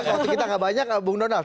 waktu kita gak banyak bung donald